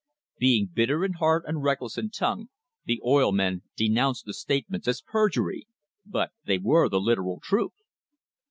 Being bitter in heart and reckless in tongue, the oil men denounced the statements as perjury, but they were the literal truth.